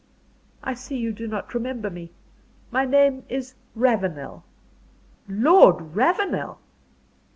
"I see you do not remember me. My name is Ravenel." "Lord Ravenel!"